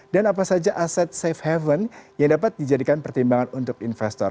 dan apa saja aset safe haven yang dapat dijadikan pertimbangan untuk investor